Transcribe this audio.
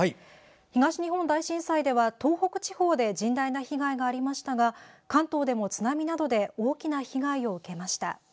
東日本大震災では東北地方で甚大な被害がありましたが関東でも津波などで大きな被害を受けました。